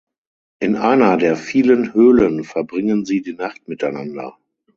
In einer der vielen Höhlen verbringen sie die Nacht miteinander.